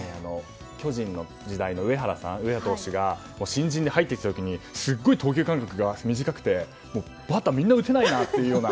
巨人の時代の上原投手が新人で入ってきた時にすごく投球間隔が短くてバッターみんな打てないような。